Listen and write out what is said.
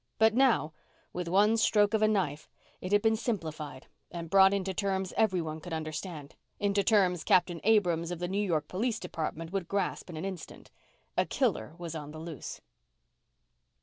But now, with one stroke of a knife, it had been simplified and brought into terms everyone could understand; into terms Captain Abrams of the New York Police Department would grasp in an instant. A killer was on the loose.